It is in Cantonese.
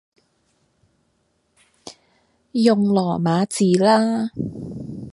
用羅馬字啦